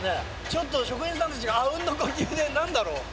ちょっと職人さんたちが阿吽の呼吸で何だろう？